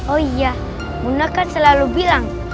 oh iya muna kan selalu bilang